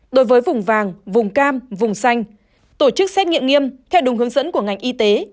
đối với vùng vàng vùng cam vùng xanh tổ chức xét nghiệm nghiêm theo đúng hướng dẫn của ngành y tế